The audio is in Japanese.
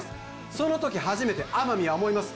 その時初めて天海は思います